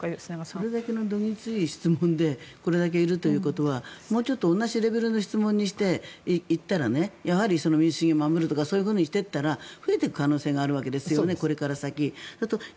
それだけのどぎつい質問でこれだけいるということはもうちょっと同じレベルの質問にしていったらやはり民主主義を守るとかそういうふうにしていったら増えていく可能性があるわけですよねこれから先。